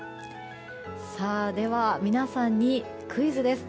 では、皆さんにクイズです。